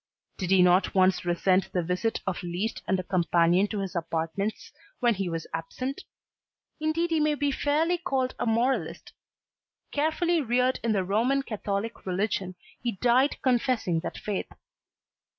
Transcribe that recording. Did he not once resent the visit of Liszt and a companion to his apartments when he was absent? Indeed he may be fairly called a moralist. Carefully reared in the Roman Catholic religion he died confessing that faith.